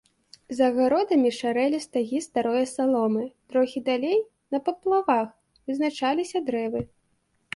За агародамі шарэлі стагі старое саломы, трохі далей, на паплавах, вызначаліся дрэвы.